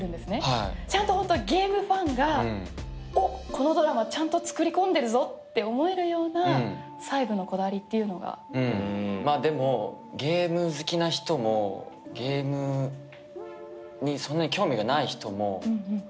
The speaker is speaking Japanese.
はいちゃんとホントゲームファンがおっこのドラマちゃんと作り込んでるぞって思えるようなうん細部のこだわりっていうのがうんまあでもゲーム好きな人もゲームにそんなに興味がない人もうんうん